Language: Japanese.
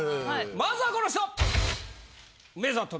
まずはこの人！